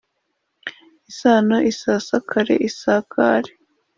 isano isasakare isakare